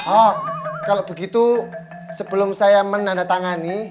oh kalau begitu sebelum saya menandatangani